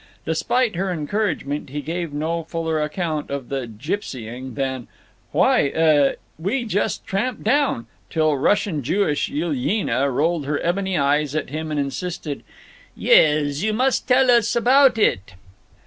Despite her encouragement he gave no fuller account of the "gipsying" than, "Why—uh—we just tramped down," till Russian Jewish Yilyena rolled her ebony eyes at him and insisted, "Yez, you mus' tale us about it."